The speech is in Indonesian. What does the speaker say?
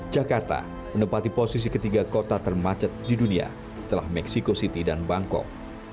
jakarta menempati posisi ketiga kota termacet di dunia setelah mexico city dan bangkok